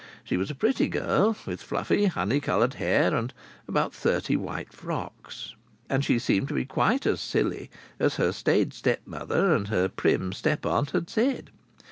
She was a pretty girl, with fluffy honey coloured hair and about thirty white frocks. And she seemed to be quite as silly as her staid stepmother and her prim step aunt had said.